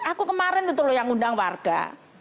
aku kemarin tentu yang undang warga